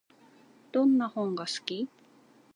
どんな本が好き？